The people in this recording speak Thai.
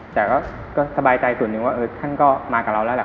จะสบายใจส่วนหนึ่งว่าเขาก็มากับเราระเล่า